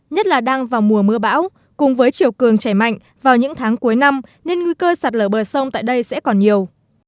nhất là đang vào mùa mưa bão cùng với chiều cường chảy mạnh vào những tháng cuối năm nên nguy cơ sạt lở bờ sông tại đây sẽ còn nhiều